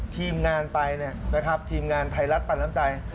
ทีมงานไปเนี่ยนะครับทีมงานไทยรัฐปันน้ำใจ